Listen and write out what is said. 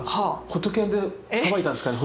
仏で裁いたんですかね